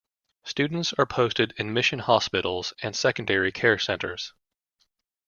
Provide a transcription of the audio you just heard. Students are posted in mission hospitals and secondary care centers.